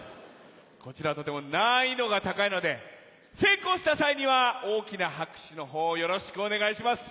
こちらとても難易度が高いので成功した際には大きな拍手の方をよろしくお願いします！